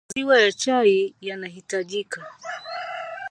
maziwa ya chai yanahitajika